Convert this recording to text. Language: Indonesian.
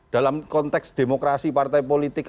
dalam konteks demokrasi partai politik